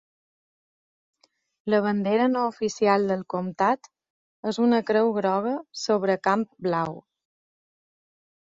La bandera no oficial del comtat és una creu groga sobre camp blau.